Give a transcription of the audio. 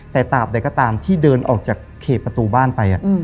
แต่ตามใดก็ตามที่เดินออกจากเขตประตูบ้านไป